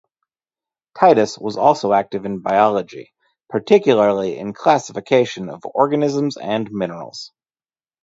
Titius was also active in Biology, particularly in classification of organisms and minerals.